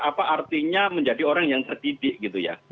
apa artinya menjadi orang yang terdidik gitu ya